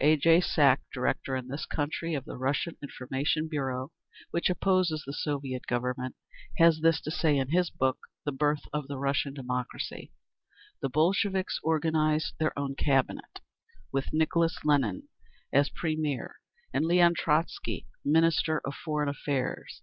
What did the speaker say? A. J. Sack, director in this country of the Russian Information Bureau, which opposes the Soviet Government, has this to say in his book, "The Birth of the Russian Democracy": The Bolsheviks organised their own cabinet, with Nicholas Lenine as Premier and Leon Trotsky—Minister of Foreign Affairs.